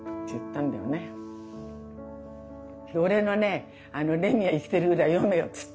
「俺の『レミは生きている』ぐらい読めよ」っつって。